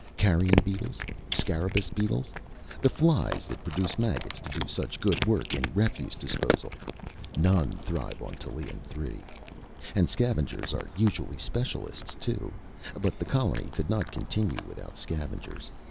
Carrion beetles ... Scarabeus beetles ... The flies that produce maggots to do such good work in refuse disposal.... None thrive on Tallien Three! And scavengers are usually specialists, too. But the colony could not continue without scavengers!